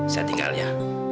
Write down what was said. saya tinggal ya